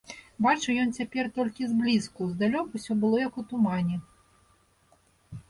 Бачыў ён цяпер толькі зблізку, здалёк усё было як у тумане.